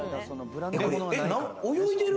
泳いでる？